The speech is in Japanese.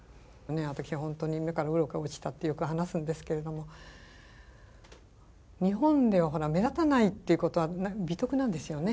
私は本当に「目から鱗が落ちた」ってよく話すんですけれども日本ではほら目立たないっていうことは美徳なんですよね。